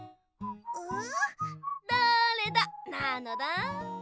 う？だれだ？なのだ。